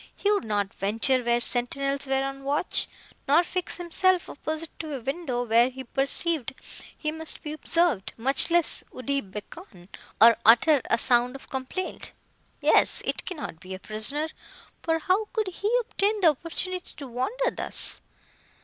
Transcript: He would not venture where sentinels were on watch, nor fix himself opposite to a window, where he perceived he must be observed; much less would he beckon, or utter a sound of complaint. Yet it cannot be a prisoner, for how could he obtain the opportunity to wander thus?"